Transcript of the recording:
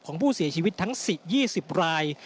ของผู้เสียชีวิตทั้งสิบยี่สิบราย